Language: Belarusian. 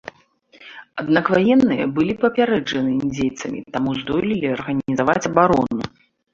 Аднак ваенныя былі папярэджаны індзейцамі, таму здолелі арганізаваць абарону.